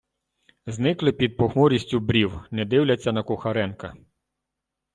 Зникли під похмурістю брів, не дивляться на Кухаренка.